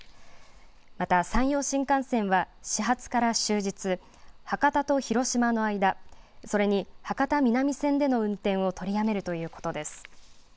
また山陽新幹線は始発から終日、博多と広島の間、それに博多南線での運転を取りやめるということです。